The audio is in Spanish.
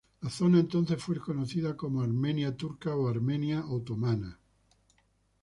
La zona entonces fue conocida como Armenia Turca o Armenia Otomana.